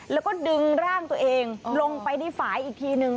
แล้วก็ดึงร่างตัวเองลงไปในฝ่ายอีกทีนึง